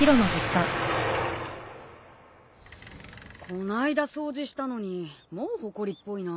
こないだ掃除したのにもうほこりっぽいな。